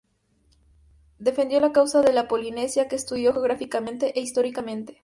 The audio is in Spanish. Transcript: Defendió la causa de la Polinesia, que estudió geográficamente e históricamente.